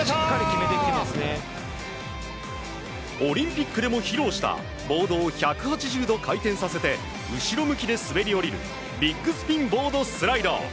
オリンピックでも披露したボードを１８０度回転させて後ろ向きで滑り降りるビッグスピンボードスライド。